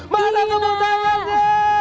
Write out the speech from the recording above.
mana temen tangannya